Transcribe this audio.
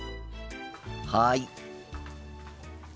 はい。